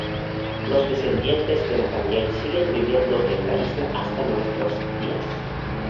Los descendientes de Nathaniel siguen viviendo en la isla hasta nuestros días.